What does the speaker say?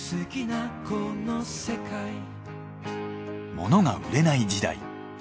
モノが売れない時代。